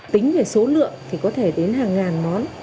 tính về số lượng thì có thể đến hàng ngàn món